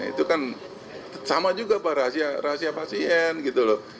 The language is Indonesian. itu kan sama juga pak rahasia rahasia pasien gitu loh